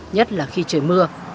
nhất là khi trời mưa